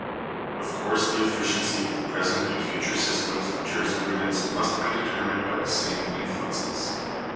Of course the efficiency of present and future systems of jurisprudence must be determined by the same influences.